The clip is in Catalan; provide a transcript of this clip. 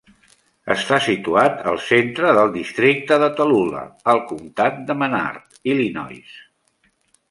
Està situat al centre del districte de Tallula, al comtat de Menard (Illinois).